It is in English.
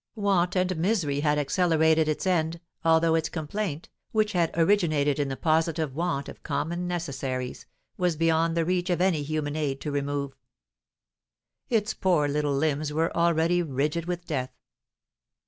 Want and misery had accelerated its end, although its complaint, which had originated in the positive want of common necessaries, was beyond the reach of any human aid to remove. Its poor little limbs were already rigid with death.